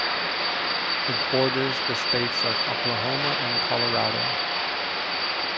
It borders the states of Oklahoma and Colorado.